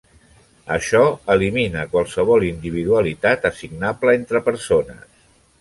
Això elimina qualsevol individualitat assignable entre persones.